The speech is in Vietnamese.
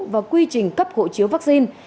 và quy trình cấp hộ chiếu vaccine